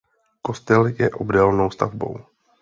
Kostel je obdélnou stavbou.